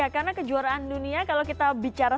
karena kejuaraan dunia kalau kita bicara